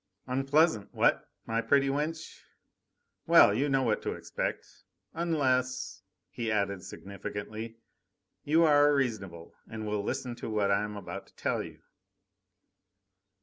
"Unpleasant, what? my pretty wench! Well, you know what to expect ... unless," he added significantly, "you are reasonable and will listen to what I am about to tell you."